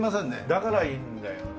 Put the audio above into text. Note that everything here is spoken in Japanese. だからいいんだよねえ。